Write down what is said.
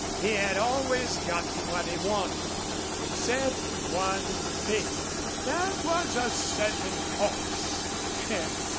He had always gotten what he wanted except one thing. That was a certain horse.